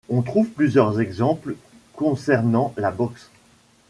On trouve plusieurs exemple concernant la boxe.